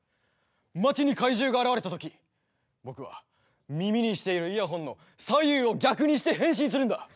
街に怪獣が現れたとき僕は耳にしているイヤホンの左右を逆にして変身するんだ！